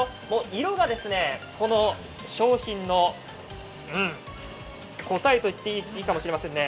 色がこの商品の答えと言っていいかもしれませんね。